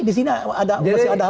disini masih ada